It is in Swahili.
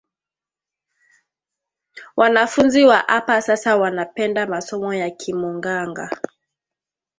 Wanafunzi wa apa sasa wana penda masomo ya ki munganga